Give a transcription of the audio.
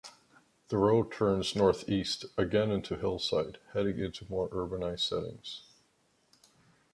The road turns northeast again into Hillside, heading into more urbanized settings.